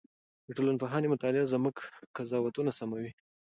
د ټولنپوهنې مطالعه زموږ قضاوتونه سموي.